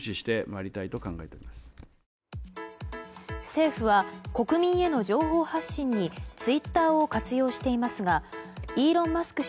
政府は国民への情報発信にツイッターを活用していますがイーロン・マスク